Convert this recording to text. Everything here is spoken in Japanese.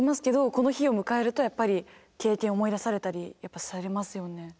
けどこの日を迎えるとやっぱり経験を思い出されたりされますよね？